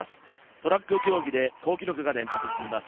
トラック競技で好記録が連発しています。